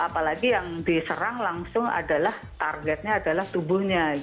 apalagi yang diserang langsung adalah targetnya adalah tubuhnya